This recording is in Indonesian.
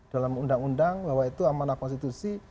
dalam undang undang bahwa itu amanah konstitusi